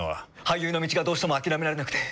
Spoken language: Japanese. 俳優の道がどうしても諦められなくて。